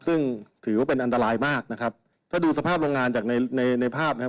ซึ่งถือว่าเป็นอันตรายมากนะครับถ้าดูสภาพโรงงานจากในในภาพนะครับ